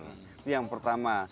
itu yang pertama